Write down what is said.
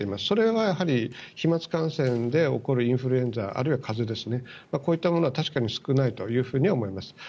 それは飛まつ感染で起こるインフルエンザあるいは風邪、こういったものは確かに少ないと思います。